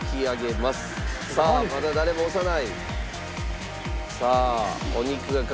まあまだ誰も押さない。